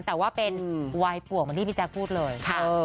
ซีรีส์วายป่วงวันนี้มีแจ๊กพูดเลย